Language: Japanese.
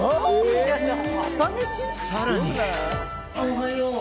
さらに